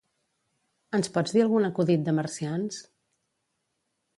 Ens pots dir algun acudit de marcians?